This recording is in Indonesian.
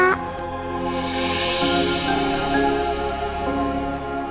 kita harus berdoa